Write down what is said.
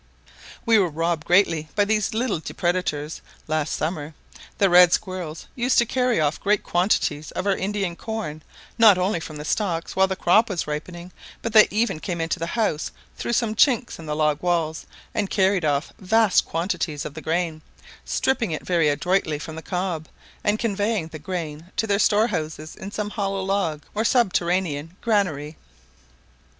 We were robbed greatly by these little depredators last summer; the red squirrels used to carry off great quantities of our Indian corn not only from the stalks, while the crop was ripening, but they even came into the house through some chinks in the log walls, and carried off vast quantities of the grain, stripping it very adroitly from the cob, and conveying the grain away to their storehouses in some hollow 1og or subterranean granary.